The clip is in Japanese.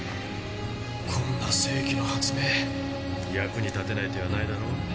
こんな世紀の発明役に立てない手はないだろう。